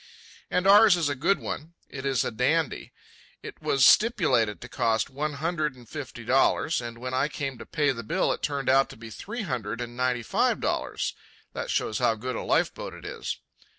And ours is a good one. It is a dandy. It was stipulated to cost one hundred and fifty dollars, and when I came to pay the bill, it turned out to be three hundred and ninety five dollars. That shows how good a life boat it is.